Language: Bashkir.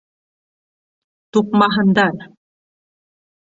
Туҡмаһындар!